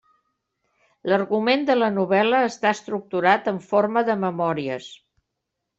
L'argument de la novel·la està estructurat en forma de memòries.